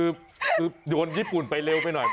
อย่าโดนวิธีญี่ปุ่นไปไปเร็วไปหน่อย